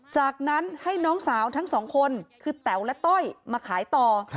จากนั้นให้น้องสาวทั้งสองคนคือแต๋วและต้อยมาขายต่อ